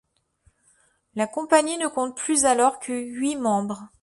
La compagnie ne compte plus alors que huit membres.